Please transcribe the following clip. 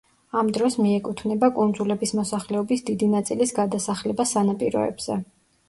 ამ დროს მიეკუთვნება კუნძულების მოსახლეობის დიდი ნაწილის გადასახლება სანაპიროებზე.